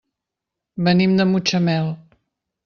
Venim de Mutxamel.